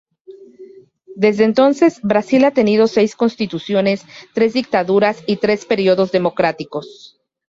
Desde entonces, Brasil ha tenido seis constituciones, tres dictaduras, y tres periodos democráticos.